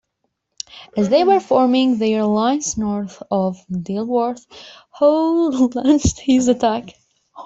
As they were forming their lines north of Dilworth, Howe launched his attack.